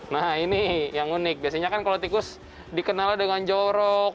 nah ini yang unik biasanya kan kalau tikus dikenalnya dengan jorok